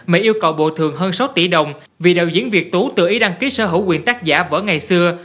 mà yêu cầu bộ thường hơn sáu tỷ đồng vì đạo diễn việt tú tự ý đăng ký sở hữu quyền tác giả vỡ ngày xưa